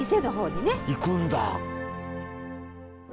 行くんだ。